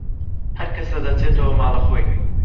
هەرکەسە دەچێتەوە ماڵەخۆی